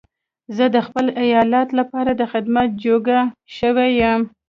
زه د خپل ايالت لپاره د خدمت جوګه شوی يم.